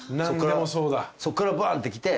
そっからバンってきて。